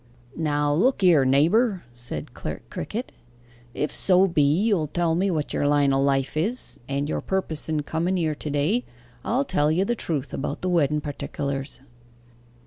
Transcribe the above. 'Now look here, neighbour,' said Clerk Crickett, 'if so be you'll tell me what your line o' life is, and your purpose in comen here to day, I'll tell you the truth about the wedden particulars.